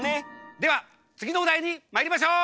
ではつぎのおだいにまいりましょう！